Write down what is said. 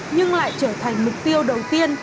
nhưng lại trở thành mục tiêu đầu tiên